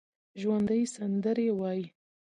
ژوندي سندرې وايي